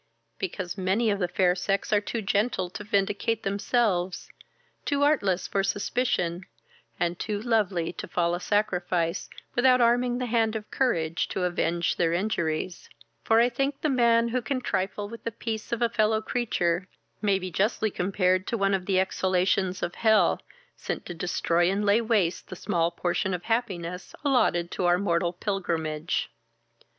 "Because many of the fair sex are too gentle to vindicate themselves, too artless for suspicion, and too lovely to fall a sacrifice, without arming the hand of courage to avenge their injuries; for I think the man, who can trifle with the peace of a fellow creature, may be justly compared to one of the exhalations of hell, sent to destroy and lay waste the small portion of happiness allotted to our mortal pilgrimage."